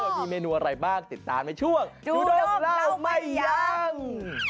มีเมนูอะไรบ้างติดตามในช่วงจูดงเล่าไม่ยัง